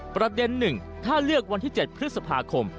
ประเด็น๑ถ้าเลือกวันที่๗พฤษภาคม